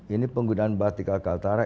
ini penggunaan batik kals kaltara